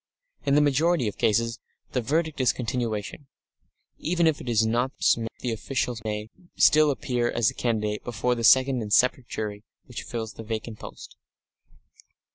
In the majority of cases the verdict is continuation. Even if it is not so the official may still appear as a candidate before the second and separate jury which fills the vacant post....